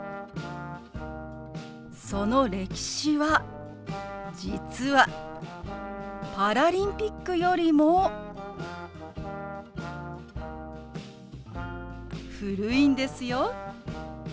その歴史は実はパラリンピックよりも古いんですよ。